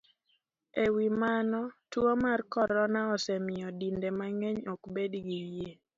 E wi mano, tuo mar corona osemiyo dinde mang'eny ok bed gi yie,